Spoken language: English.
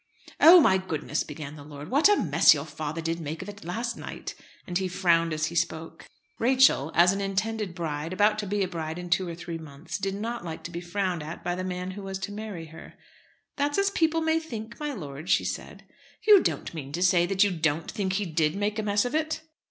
"Oh, my goodness!" began the lord, "what a mess your father did make of it last night." And he frowned as he spoke. Rachel, as an intended bride about to be a bride in two or three months did not like to be frowned at by the man who was to marry her. "That's as people may think, my lord," she said. "You don't mean to say that you don't think he did make a mess of it?"